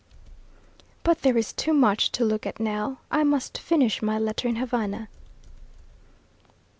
But there is too much to look at now. I must finish my letter in Havana.